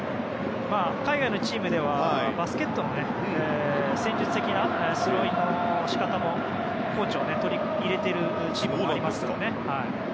海外のチームではバスケットの戦術的なスローインの仕方もコーチが取り入れているチームもありますよね。